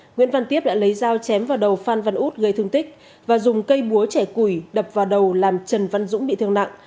nguyễn văn tiếp đã lấy dao chém vào đầu phan văn út gây thương tích và dùng cây búa chảy củi đập vào đầu làm trần văn dũng bị thương nặng